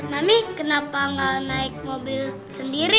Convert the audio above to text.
mami kenapa gak naik mobil sendiri